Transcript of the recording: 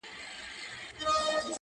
ښکارپورۍ زنه دې په ټوله انډيا کي نسته,